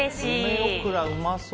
梅オクラうまそう。